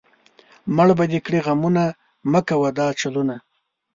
مړ به دې کړي غمونه، مۀ کوه دا چلونه